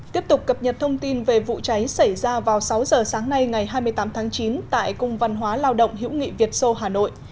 tiếp tục cập nhật thông tin về vụ cháy xảy ra vào sáu giờ sáng nay ngày hai mươi tám tháng chín tại cung văn hóa lao động hữu nghị việt sô hà nội